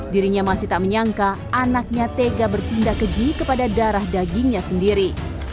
dirinya masih tak menyangka anaknya tega berpindah keji kepada darah dagingnya sendiri